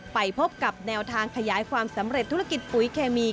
ไปพบกับแนวทางขยายความสำเร็จธุรกิจปุ๋ยเคมี